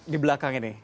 di belakang ini